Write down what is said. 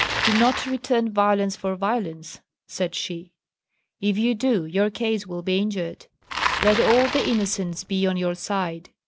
"Do not return violence for violence," said she; "if you do, your case will be injured. Let all the innocence be on your side.